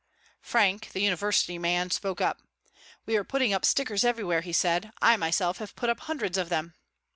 Frank, the University man, spoke up. "We are putting up stickers everywhere," he said. "I myself have put up hundreds of them."